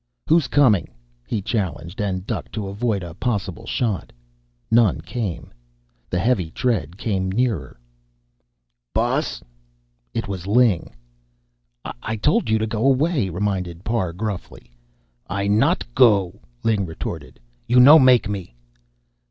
"Who's coming?" he challenged, and ducked to avoid a possible shot. None came. The heavy tread came nearer. "Boss!" It was Ling. "I told you to go away," reminded Parr gruffly. "I not go," Ling retorted. "You no make me."